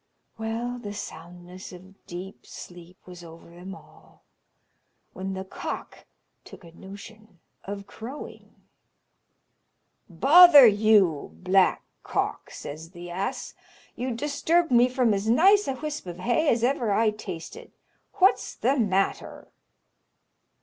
Well, the soundness of deep sleep was over them all, when the cock took a notion of crowing. "Bother you, Black Cock!" says the ass; "you disturbed me from as nice a whisp of hay as ever I tasted. What's the matter?"